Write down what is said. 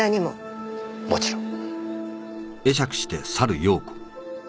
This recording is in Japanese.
もちろん。